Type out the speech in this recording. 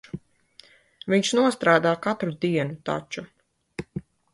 Viņš nostrādā katru dienu taču.